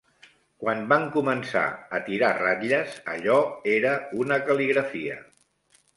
Quan van començar a tirar ratlles allò era una cal·ligrafia